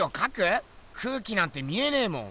空気なんて見えねぇもん。